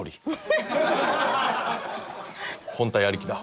本体ありきだ。